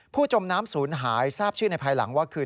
จมน้ำศูนย์หายทราบชื่อในภายหลังว่าคือ